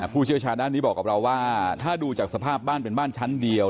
ผู้เชี่ยวชาญด้านนี้บอกกับเราว่าถ้าดูจากสภาพบ้านเป็นบ้านชั้นเดียว